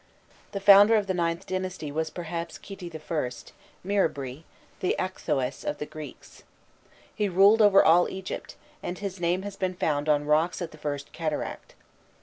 The founder of the IXth dynasty was perhaps Khîti I., Miribrî, the Akhthoës of the Greeks. He ruled over all Egypt, and his name has been found on rocks at the first cataract.